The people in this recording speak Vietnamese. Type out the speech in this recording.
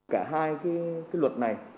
cả hai cái luật này